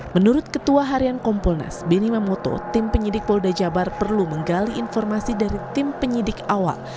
menurut ketua harian kompolnas beni mamoto tim penyidik polda jabar perlu menggali informasi dari tim penyidik awal